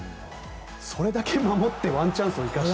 それだけ守ってワンチャンスを生かして。